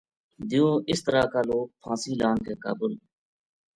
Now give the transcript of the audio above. دیوں اس طرح کا لوک پھانسی لان کے قابل